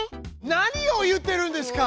何を言ってるんですか！